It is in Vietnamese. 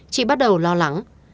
chị bắt đầu lo lắng